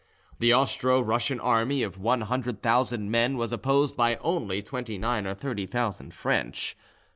The Austro Russian army of one hundred thousand men was opposed by only twenty nine or thirty thousand French.